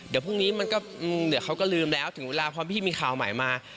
เดี๋ยวพรุ่งนี้มันก็เดี๋ยวเขาก็ลืมแล้วถึงเวลาพอพี่มีข่าวใหม่มา